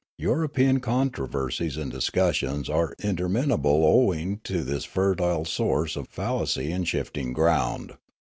European controversies and discussions are intermin able owing to this fertile source of fallacy and of shift ing ground.